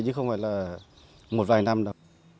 chứ không phải là một vài năm đâu